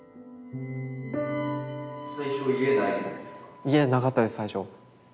家なかったです最初。